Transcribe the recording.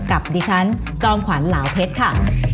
กับดิฉันจ้อมขวานลาวเพชรค่ะ